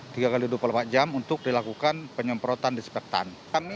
tiga x dua puluh empat jam untuk dilakukan penyemprotan dispektan